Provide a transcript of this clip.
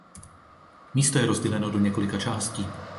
Místo je rozděleno do několika částí.